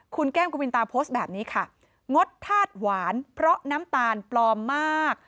คุณแก้มกวินตาโพสต์แบบนี้ค่ะงดธาตุหวานเพราะน้ำตาลปลอมมาก